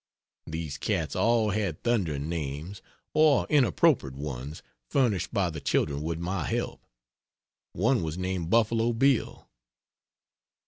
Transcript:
These cats all had thundering names, or inappropriate ones furnished by the children with my help. One was named Buffalo Bill.